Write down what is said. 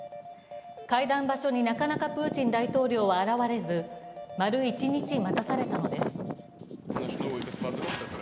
会談場所になかなかプーチン大統領は現れず、丸一日、待たされたのです。